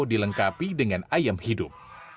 dilengkapi dengan ayam hidup